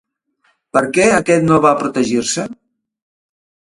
Per què aquest no va protegir-se?